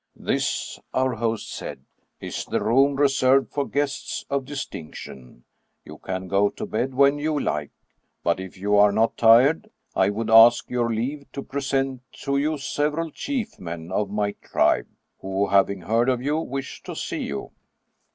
" This," our host said, " is the room reserved for guests of distinction ; you can go to bed when you like, but if you 232 M. Robert'Houdin arc not tired, I would ask your leave to present to you sev eral chief men of my tribe, who, having heard of you, wish to see you."